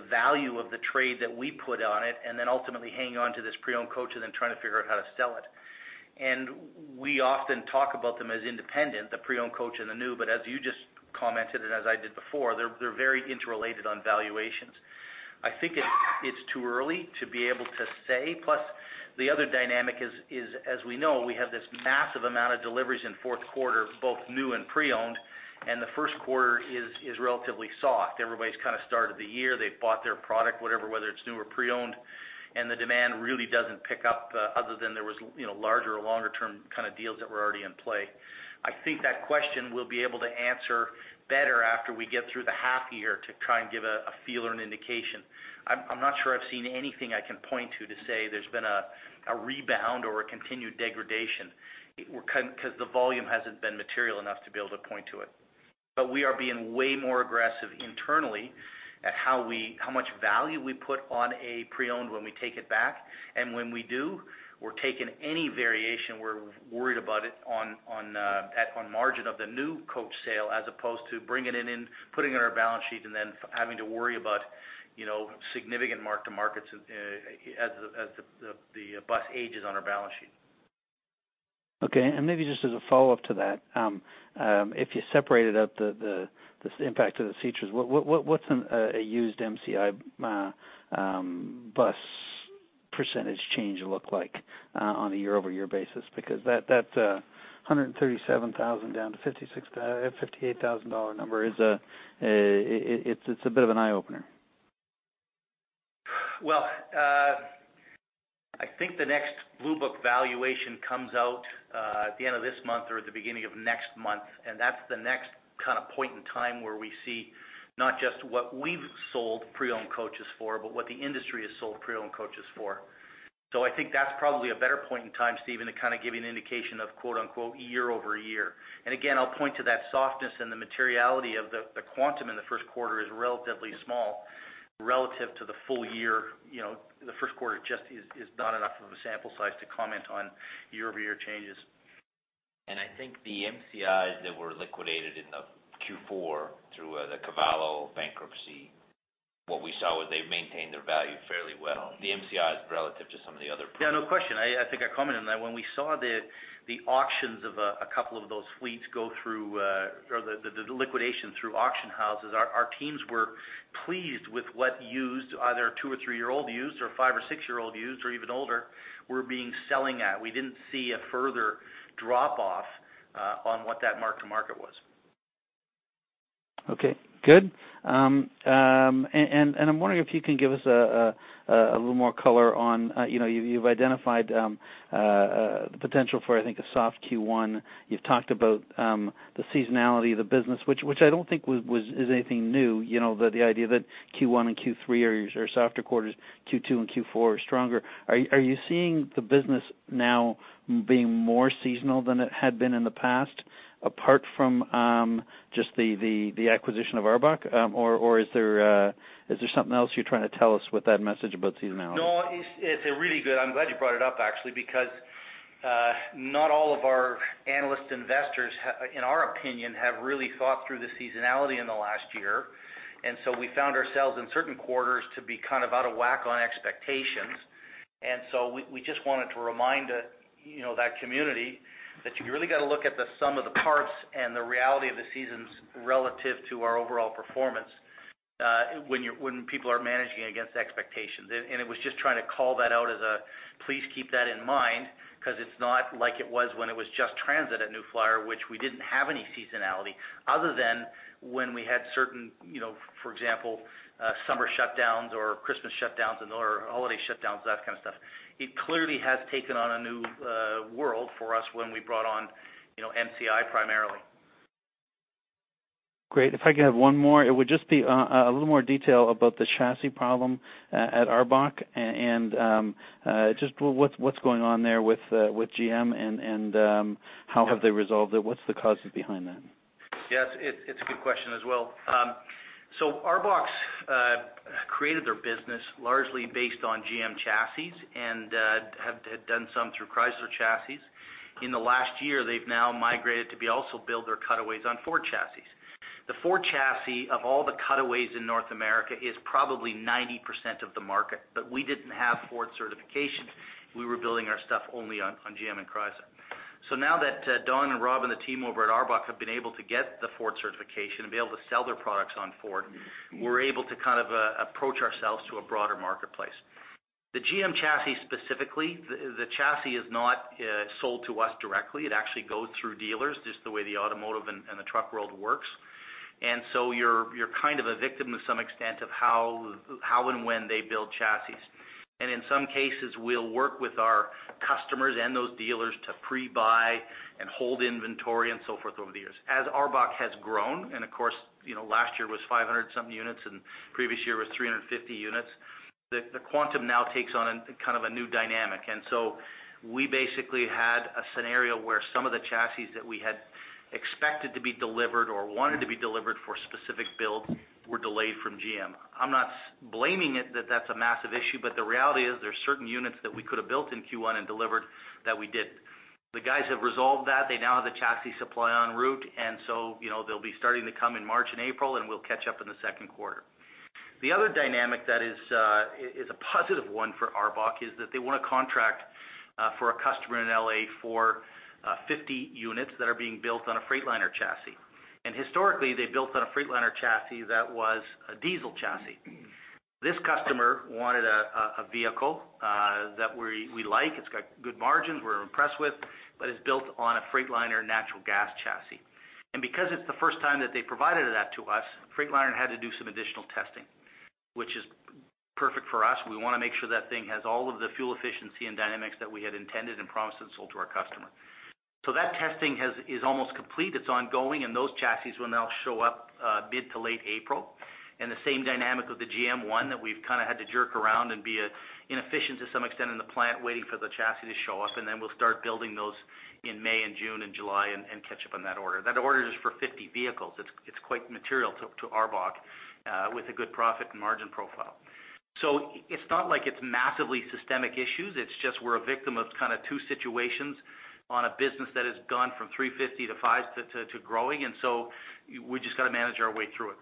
value of the trade that we put on it, and then ultimately hanging on to this pre-owned coach and then trying to figure out how to sell it. We often talk about them as independent, the pre-owned coach and the new, but as you just commented, and as I did before, they're very interrelated on valuations. I think it's too early to be able to say. Plus, the other dynamic is, as we know, we have this massive amount of deliveries in fourth quarter, both new and pre-owned, and the first quarter is relatively soft. Everybody's kind of started the year, they've bought their product, whatever, whether it's new or pre-owned. The demand really doesn't pick up, other than there was larger or longer term deals that were already in play. I think that question we'll be able to answer better after we get through the half year to try and give a feel or an indication. I'm not sure I've seen anything I can point to say there's been a rebound or a continued degradation, because the volume hasn't been material enough to be able to point to it. We are being way more aggressive internally at how much value we put on a pre-owned when we take it back. When we do, we're taking any variation, we're worried about it on margin of the new coach sale as opposed to bringing it in, putting it on our balance sheet, and then having to worry about significant mark-to-markets as the bus ages on our balance sheet. Okay, maybe just as a follow-up to that, if you separated out the impact of the Setras, what's a used MCI bus percentage change look like on a year-over-year basis? That 137,000 down to $ 58,000 number is a bit of an eye-opener. I think the next Blue Book valuation comes out at the end of this month or at the beginning of next month. That's the next point in time where we see not just what we've sold pre-owned coaches for, but what the industry has sold pre-owned coaches for. I think that's probably a better point in time, Stephen, to give you an indication of quote unquote "year-over-year." Again, I'll point to that softness and the materiality of the quantum in the first quarter is relatively small relative to the full year. The first quarter just is not enough of a sample size to comment on year-over-year changes. The MCIs that were liquidated in the Q4 through the Cavallo bankruptcy, what we saw was they maintained their value fairly well, the MCIs relative to some of the other pre-owned. Yeah, no question. I think I commented on that. When we saw the auctions of a couple of those fleets go through, or the liquidation through auction houses, our teams were pleased with what used, either two or three-year-old used, or five or six-year-old used, or even older, were being selling at. We didn't see a further drop-off on what that mark-to-market was. Okay, good. I'm wondering if you can give us a little more color on, you've identified the potential for, I think, a soft Q1. You've talked about the seasonality of the business, which I don't think is anything new, the idea that Q1 and Q3 are your softer quarters, Q2 and Q4 are stronger. Are you seeing the business now being more seasonal than it had been in the past, apart from just the acquisition of ARBOC? Or is there something else you're trying to tell us with that message about seasonality? No, I'm glad you brought it up, actually, because not all of our analyst investors, in our opinion, have really thought through the seasonality in the last year. We found ourselves in certain quarters to be out of whack on expectations. We just wanted to remind that community that you really got to look at the sum of the parts and the reality of the seasons relative to our overall performance when people are managing against expectations. It was just trying to call that out as a, please keep that in mind, because it's not like it was when it was just transit at New Flyer, which we didn't have any seasonality other than when we had certain, for example, summer shutdowns or Christmas shutdowns and holiday shutdowns, that kind of stuff. It clearly has taken on a new world for us when we brought on MCI primarily. Great. If I could have one more, it would just be a little more detail about the chassis problem at ARBOC and just what's going on there with GM, how have they resolved it? What's the causes behind that? Yes, it's a good question as well. ARBOC created their business largely based on GM chassis and had done some through Chrysler chassis. In the last year, they've now migrated to also build their cutaways on Ford chassis. The Ford chassis, of all the cutaways in North America, is probably 90% of the market. We didn't have Ford certifications. We were building our stuff only on GM and Chrysler. Now that Don and Rob and the team over at ARBOC have been able to get the Ford certification and be able to sell their products on Ford, we're able to approach ourselves to a broader marketplace. The GM chassis specifically, the chassis is not sold to us directly. It actually goes through dealers, just the way the automotive and the truck world works. You're a victim to some extent of how and when they build chassis. In some cases, we'll work with our customers and those dealers to pre-buy and hold inventory and so forth over the years. As ARBOC has grown, and of course, last year was 500 something units, and the previous year was 350 units, the quantum now takes on a new dynamic. We basically had a scenario where some of the chassis that we had expected to be delivered or wanted to be delivered for specific builds were delayed from GM. I'm not blaming it that that's a massive issue, the reality is there's certain units that we could have built in Q1 and delivered that we didn't. The guys have resolved that. They now have the chassis supply en route. They'll be starting to come in March and April, and we'll catch up in the second quarter. The other dynamic that is a positive one for ARBOC is that they won a contract for a customer in L.A. for 50 units that are being built on a Freightliner chassis. Historically, they built on a Freightliner chassis that was a diesel chassis. This customer wanted a vehicle that we like. It's got good margins, we're impressed with, but it's built on a Freightliner natural gas chassis. Because it's the first time that they provided that to us, Freightliner had to do some additional testing, which is perfect for us. We want to make sure that thing has all of the fuel efficiency and dynamics that we had intended and promised and sold to our customer. That testing is almost complete. It's ongoing. Those chassis will now show up mid to late April. The same dynamic of the GM one that we've had to jerk around and be inefficient to some extent in the plant, waiting for the chassis to show up, then we'll start building those in May and June and July and catch up on that order. That order is for 50 vehicles. It's quite material to ARBOC with a good profit and margin profile. It's not like it's massively systemic issues. It's just we're a victim of two situations on a business that has gone from 350-5 to growing. We just got to manage our way through it.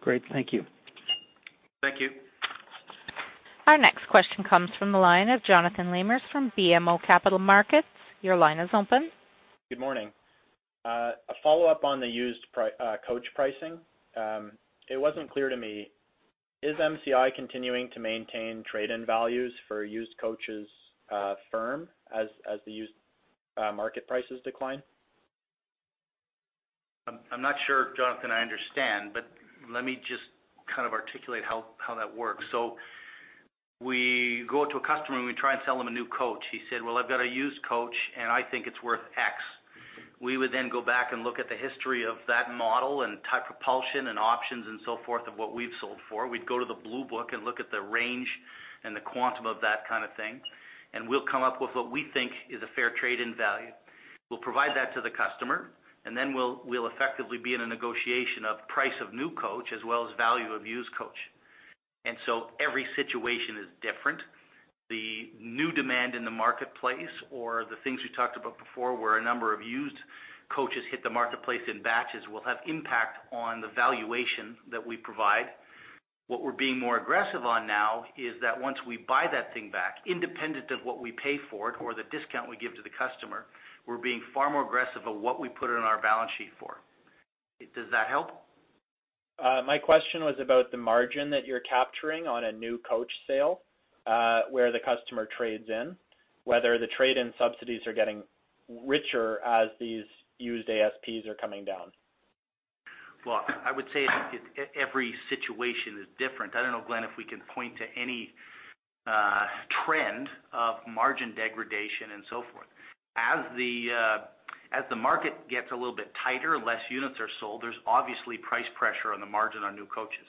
Great. Thank you. Thank you. Our next question comes from the line of Jonathan Lamers from BMO Capital Markets. Your line is open. Good morning. A follow-up on the used coach pricing. It wasn't clear to me, is MCI continuing to maintain trade-in values for used coaches firm as the used market prices decline? I'm not sure, Jonathan, I understand, let me just articulate how that works. We go to a customer, we try and sell him a new coach. He said, "Well, I've got a used coach, I think it's worth X." We would then go back and look at the history of that model and type of propulsion and options and so forth of what we've sold for. We'd go to the Blue Book and look at the range and the quantum of that kind of thing, we'll come up with what we think is a fair trade-in value. We'll provide that to the customer, then we'll effectively be in a negotiation of price of new coach as well as value of used coach. Every situation is different. The new demand in the marketplace or the things we talked about before, where a number of used coaches hit the marketplace in batches, will have impact on the valuation that we provide. What we're being more aggressive on now is that once we buy that thing back, independent of what we pay for it or the discount we give to the customer, we're being far more aggressive of what we put it on our balance sheet for. Does that help? My question was about the margin that you're capturing on a new coach sale, where the customer trades in, whether the trade-in subsidies are getting richer as these used ASPs are coming down. Well, I would say every situation is different. I don't know, Glenn, if we can point to any trend of margin degradation and so forth. As the market gets a little bit tighter, less units are sold, there's obviously price pressure on the margin on new coaches.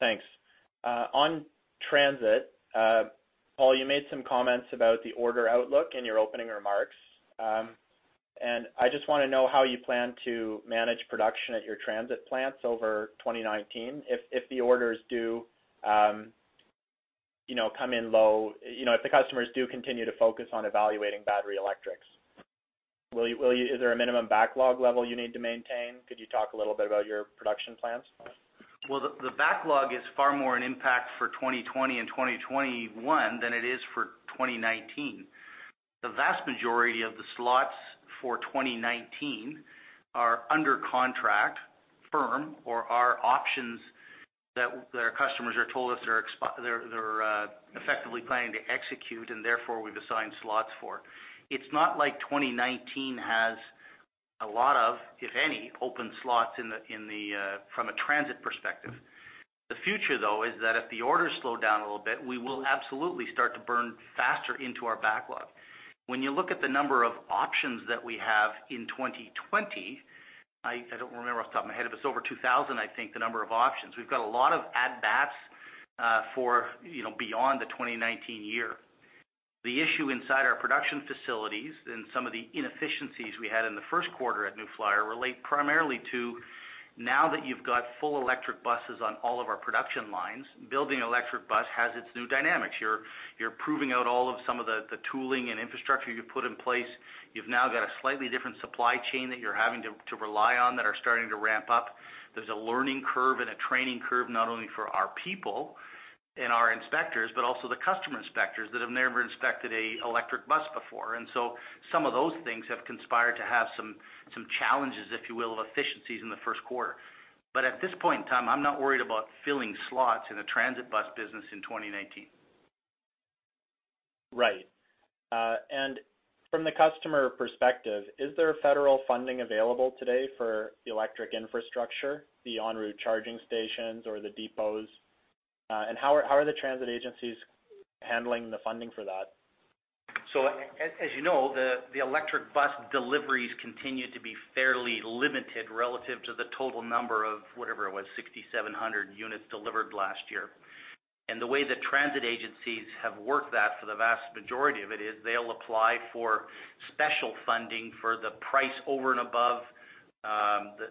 Thanks. On transit, Paul, you made some comments about the order outlook in your opening remarks. I just want to know how you plan to manage production at your transit plants over 2019 if the orders do come in low, if the customers do continue to focus on evaluating battery electrics. Is there a minimum backlog level you need to maintain? Could you talk a little bit about your production plans? Well, the backlog is far more an impact for 2020 and 2021 than it is for 2019. The vast majority of the slots for 2019 are under contract firm or are options that our customers have told us they're effectively planning to execute and therefore we've assigned slots for. It's not like 2019 has a lot of, if any, open slots from a transit perspective. The future, though, is that if the orders slow down a little bit, we will absolutely start to burn faster into our backlog. When you look at the number of options that we have in 2020, I don't remember off the top of my head, if it's over 2,000, I think, the number of options. We've got a lot of add backs for beyond the 2019 year. The issue inside our production facilities and some of the inefficiencies we had in the first quarter at New Flyer relate primarily to now that you've got full electric buses on all of our production lines, building an electric bus has its new dynamics. You're proving out all of some of the tooling and infrastructure you put in place. You've now got a slightly different supply chain that you're having to rely on that are starting to ramp up. There's a learning curve and a training curve not only for our people and our inspectors, but also the customer inspectors that have never inspected a electric bus before. Some of those things have conspired to have some challenges, if you will, of efficiencies in the first quarter. At this point in time, I'm not worried about filling slots in a transit bus business in 2019. Right. From the customer perspective, is there federal funding available today for the electric infrastructure, the en route charging stations or the depots? How are the transit agencies handling the funding for that? As you know, the electric bus deliveries continue to be fairly limited relative to the total number of whatever it was, 6,700 units delivered last year. The way the transit agencies have worked that for the vast majority of it is they'll apply for special funding for the price over and above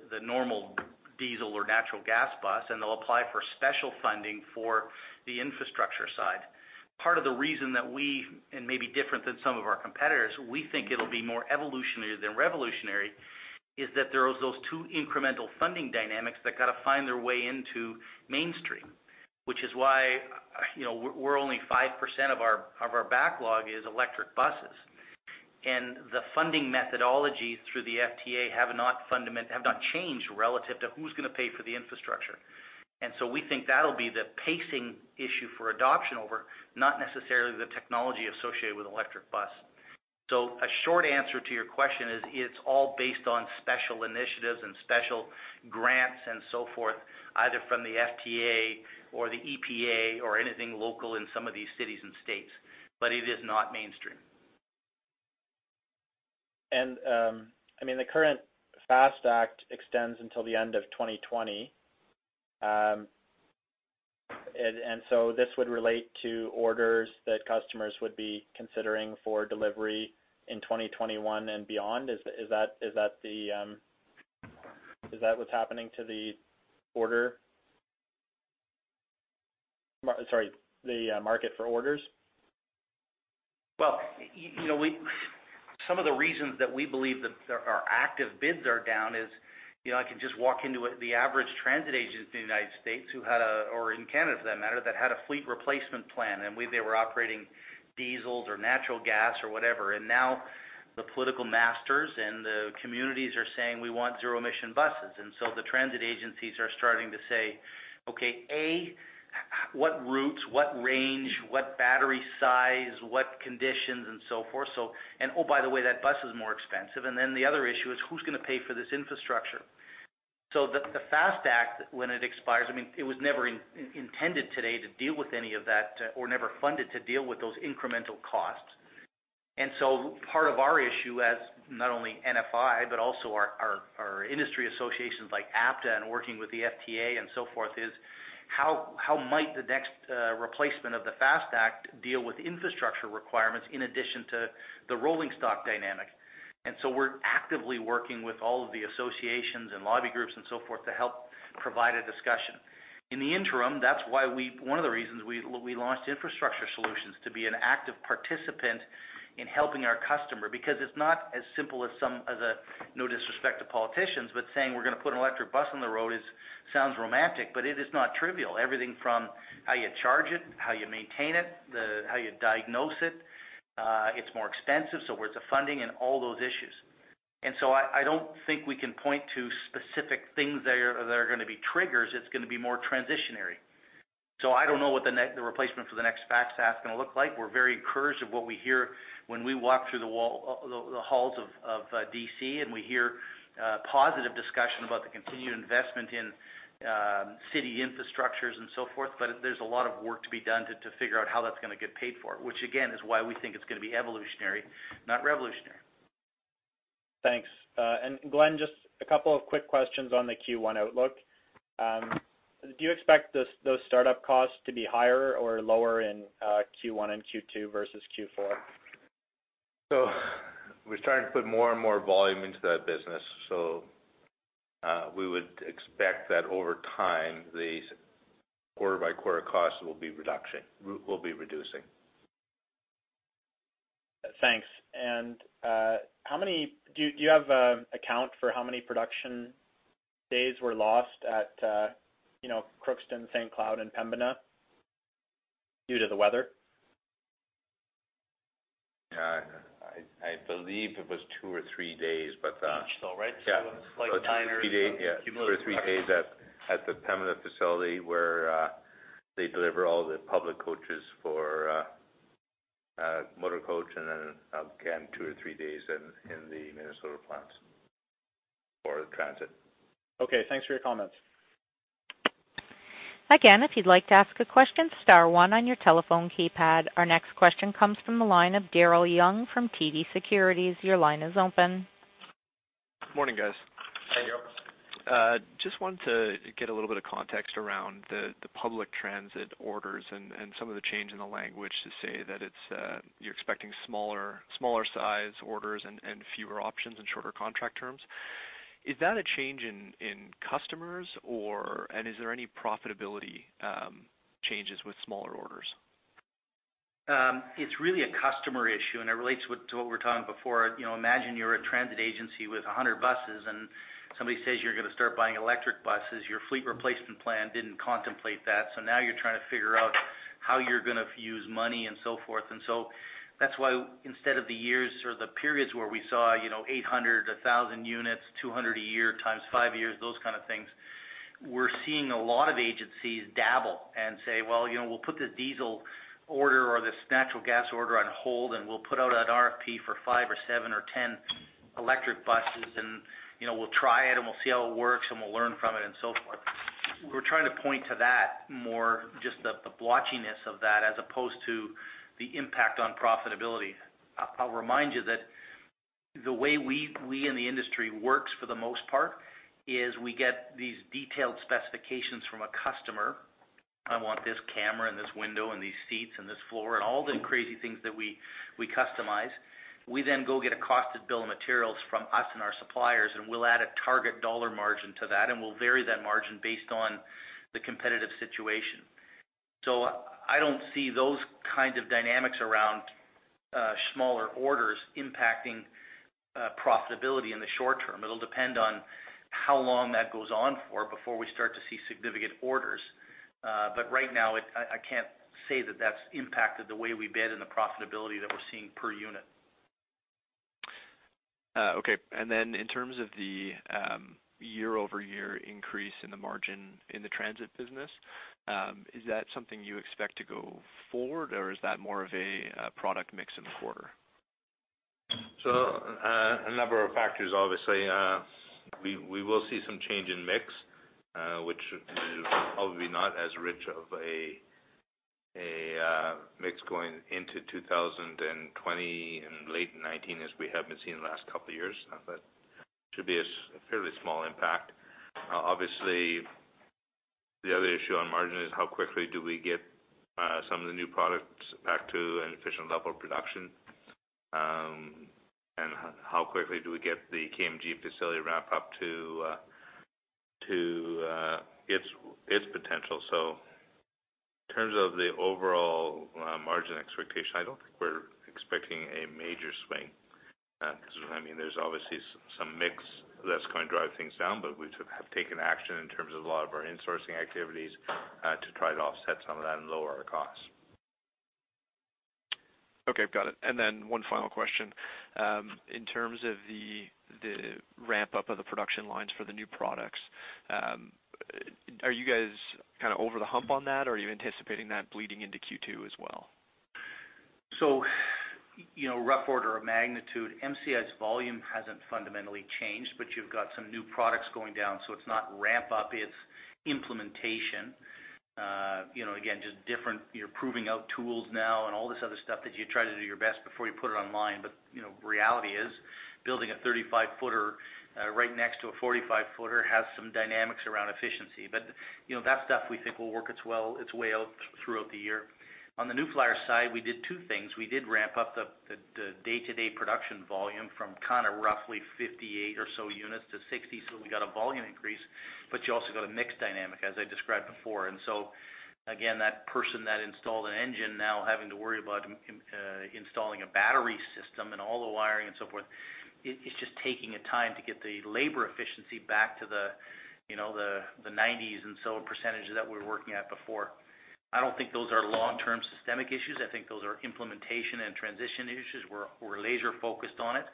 the normal diesel or natural gas bus, and they'll apply for special funding for the infrastructure side. Part of the reason that we, and may be different than some of our competitors, we think it'll be more evolutionary than revolutionary, is that there is those two incremental funding dynamics that got to find their way into mainstream. Only 5% of our backlog is electric buses. The funding methodologies through the FTA have not changed relative to who's going to pay for the infrastructure. We think that'll be the pacing issue for adoption over not necessarily the technology associated with electric bus. A short answer to your question is it's all based on special initiatives and special grants and so forth, either from the FTA or the EPA or anything local in some of these cities and states. It is not mainstream. The current FAST Act extends until the end of 2020. This would relate to orders that customers would be considering for delivery in 2021 and beyond. Is that what's happening to the order? Sorry, the market for orders? Well, some of the reasons that we believe that our active bids are down is, I can just walk into the average transit agency in the U.S. who had a, or in Canada for that matter, that had a fleet replacement plan, and they were operating diesels or natural gas or whatever, and now the political masters and the communities are saying we want zero-emission buses. The transit agencies are starting to say, okay, A, what routes, what range, what battery size, what conditions and so forth. Oh, by the way, that bus is more expensive. The other issue is who's going to pay for this infrastructure? The FAST Act, when it expires, it was never intended today to deal with any of that or never funded to deal with those incremental costs. Part of our issue as not only NFI, but also our industry associations like APTA and working with the FTA and so forth, is how might the next replacement of the FAST Act deal with infrastructure requirements in addition to the rolling stock dynamic? We're actively working with all of the associations and lobby groups and so forth to help provide a discussion. In the interim, one of the reasons we launched Infrastructure Solutions, to be an active participant in helping our customer, because it's not as simple as some, no disrespect to politicians, but saying we're going to put an electric bus on the road sounds romantic, but it is not trivial. Everything from how you charge it, how you maintain it, how you diagnose it. It's more expensive, where's the funding, and all those issues. I don't think we can point to specific things there that are going to be triggers. It's going to be more transitionary. I don't know what the replacement for the next FAST Act's going to look like. We're very encouraged of what we hear when we walk through the halls of D.C., we hear positive discussion about the continued investment in city infrastructures and so forth, but there's a lot of work to be done to figure out how that's going to get paid for. Which, again, is why we think it's going to be evolutionary, not revolutionary. Thanks. Glenn, just a couple of quick questions on the Q1 outlook. Do you expect those startup costs to be higher or lower in Q1 and Q2 versus Q4? We're starting to put more and more volume into that business, we would expect that over time, the quarter-by-quarter costs will be reducing. Thanks. Do you have a count for how many production days were lost at Crookston, St. Cloud, and Pembina due to the weather? I believe it was two or three days. Each though, right? Yeah. It's like minor cumulative. Two or three days at the Pembina facility where they deliver all the public coaches for Motor coach, and then again, two or three days in the Minnesota plant for the transit. Okay. Thanks for your comments. Again, if you'd like to ask a question, star one on your telephone keypad. Our next question comes from the line of Daryl Young from TD Securities. Your line is open. Morning, guys. Hey, Daryl. Just wanted to get a little bit of context around the public transit orders and some of the change in the language to say that you're expecting smaller size orders and fewer options and shorter contract terms. Is that a change in customers, and is there any profitability changes with smaller orders? It's really a customer issue, and it relates to what we were talking before. Imagine you're a transit agency with 100 buses and somebody says you're going to start buying electric buses. Your fleet replacement plan didn't contemplate that, so now you're trying to figure out how you're going to use money and so forth. That's why instead of the years or the periods where we saw 800, 1,000 units, 200 a year times five years, those kind of things, we're seeing a lot of agencies dabble and say, "Well, we'll put this diesel order or this natural gas order on hold, and we'll put out an RFP for five or seven or 10 electric buses, and we'll try it and we'll see how it works and we'll learn from it," and so forth. We're trying to point to that more, just the blotchiness of that as opposed to the impact on profitability. I'll remind you that the way we in the industry works for the most part is we get these detailed specifications from a customer. "I want this camera and this window and these seats and this floor," and all the crazy things that we customize. We then go get a costed bill of materials from us and our suppliers, and we'll add a target dollar margin to that, and we'll vary that margin based on the competitive situation. I don't see those kind of dynamics around smaller orders impacting profitability in the short term. It'll depend on how long that goes on for before we start to see significant orders. Right now, I can't say that that's impacted the way we bid and the profitability that we're seeing per unit. Okay. In terms of the year-over-year increase in the margin in the transit business, is that something you expect to go forward, or is that more of a product mix in the quarter? A number of factors, obviously. We will see some change in mix, which is probably not as rich of a mix going into 2020 and late 2019 as we have been seeing the last couple of years. Should be a fairly small impact. Obviously, the other issue on margin is how quickly do we get some of the new products back to an efficient level of production, and how quickly do we get the KMG facility ramp up to its potential. In terms of the overall margin expectation, I don't think we're expecting a major swing. There's obviously some mix that's going to drive things down, but we have taken action in terms of a lot of our insourcing activities to try to offset some of that and lower our costs. Okay, got it. In terms of the ramp up of the production lines for the new products, are you guys kind of over the hump on that, or are you anticipating that bleeding into Q2 as well? Rough order of magnitude, MCI's volume hasn't fundamentally changed, you've got some new products going down, so it's not ramp up, it's implementation. Again, just different, you're proving out tools now and all this other stuff that you try to do your best before you put it online. Reality is, building a 35-footer right next to a 45-footer has some dynamics around efficiency. That stuff we think will work its way out throughout the year. On the New Flyer side, we did two things. We did ramp up the day-to-day production volume from kind of roughly 58 or so units to 60, we also got a mix dynamic, as I described before. Again, that person that installed an engine now having to worry about installing a battery system and all the wiring and so forth, it's just taking time to get the labor efficiency back to the 90s % that we were working at before. I don't think those are long-term systemic issues. I think those are implementation and transition issues. We're laser focused on it,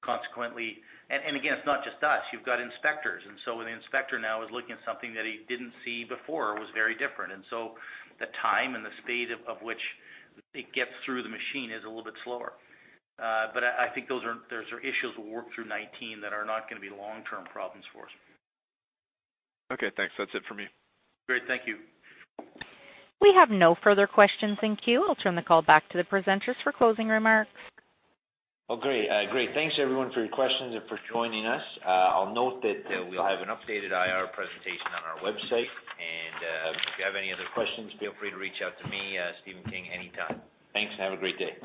consequently. Again, it's not just us. You've got inspectors. An inspector now is looking at something that he didn't see before or was very different. The time and the speed of which it gets through the machine is a little bit slower. I think those are issues we'll work through 2019 that are not going to be long-term problems for us. Okay, thanks. That's it for me. Great. Thank you. We have no further questions in queue. I'll turn the call back to the presenters for closing remarks. Oh, great. Thanks everyone for your questions and for joining us. I'll note that we'll have an updated IR presentation on our website, and if you have any other questions, feel free to reach out to me, Stephen King, anytime. Thanks, and have a great day.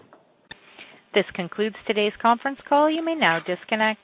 This concludes today's conference call. You may now disconnect.